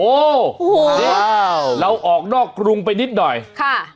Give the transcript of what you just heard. โอ้โหจริงเราออกนอกกรุงไปนิดหน่อยค่ะปริมทนค่ะ